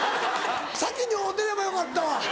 先に会うてればよかったわ。